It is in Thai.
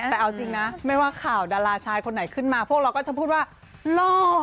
แต่เอาจริงนะไม่ว่าข่าวดาราชายคนไหนขึ้นมาพวกเราก็จะพูดว่าล่อ